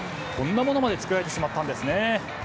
こんなものまで作られてしまったんですね。